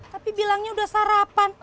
tapi bilangnya udah sarapan